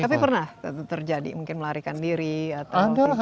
tapi pernah terjadi mungkin melarikan diri atau tidak